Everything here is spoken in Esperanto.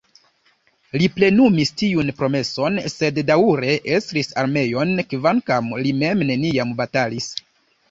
Li plenumis tiun promeson sed daŭre estris armeojn, kvankam li mem neniam batalis.